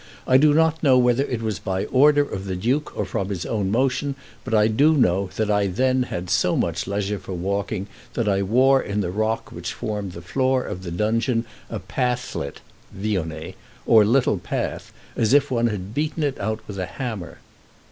I do not know whether it was by order of the duke or from his own motion, but I do know that I then had so much leisure for walking that I wore in the rock which formed the floor of the dungeon a pathlet [vionnet], or little path, as if one had beaten it out with a hammer."